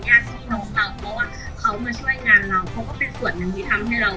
ที่น้องสาวเพราะว่าเขามาช่วยงานเราเขาก็เป็นส่วนหนึ่งที่ทำให้เรา